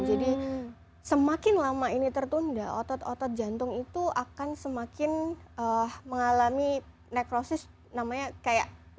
jadi semakin lama ini tertunda otot otot jantung itu akan semakin mengalami nekrosis namanya kayak dia tidak bisa berfungsi